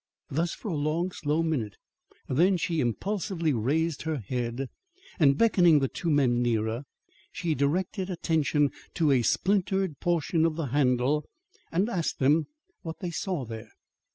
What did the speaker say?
Thus for a long, slow minute; then she impulsively raised her head and, beckoning the two men nearer, she directed attention to a splintered portion of the handle and asked them what they saw there.